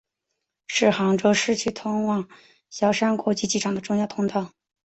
是杭州市区通往萧山国际机场的重要通道。